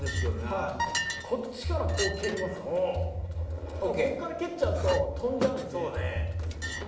はいこっちからこう蹴りますわこっから蹴っちゃうと飛んじゃうんでそうね